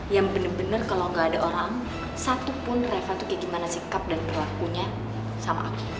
yang bener bener kalo gak ada orang satupun reva tuh kayak gimana sikap dan berlakunya sama aku